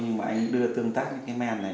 nhưng mà anh đưa tương tác những cái men này